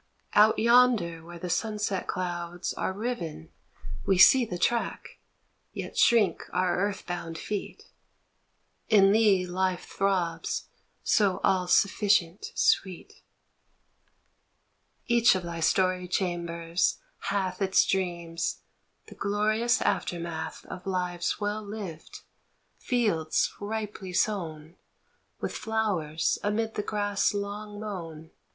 Out yonder where the sunset clouds are riven We see the track, yet shrink our earth bound feet, In thee life throbs so all sufficient sweet ! Each of thy storied chambers hath Its dreams, the glorious aftermath Of lives well lived, fields ripely sown With flowers amid the grass long mown.